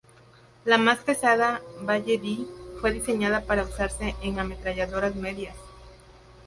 La más pesada Balle D fue diseñada para usarse en ametralladoras medias.